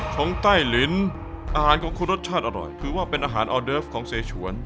ไต้ลินอาหารของคุณรสชาติอร่อยถือว่าเป็นอาหารออเดิฟของเสฉวน